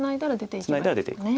ツナいだら出ていくと。